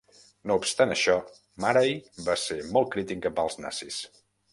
No obstant això, Márai va ser molt crític amb els nazis.